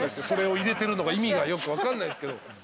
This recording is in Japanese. それを入れてるのが意味がよく分かんないんですけど。